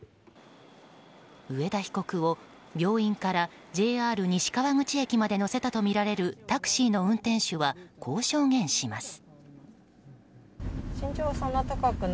上田被告を病院からＪＲ西川口駅まで乗せたとみられるタクシーの運転手はこう証言します。